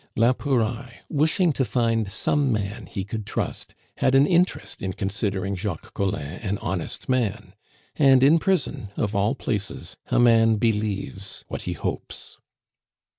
La Pouraille, wishing to find some man he could trust, had an interest in considering Jacques Collin an honest man. And in prison, of all places, a man believes what he hopes.